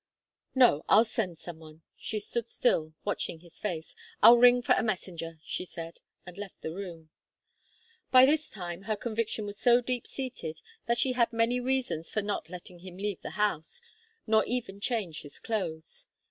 "No. I'll send some one." She stood still, watching his face. "I'll ring for a messenger," she said, and left the room. By this time her conviction was so deep seated that she had many reasons for not letting him leave the house, nor even change his clothes.